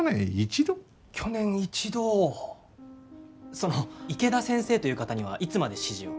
その池田先生という方にはいつまで師事を？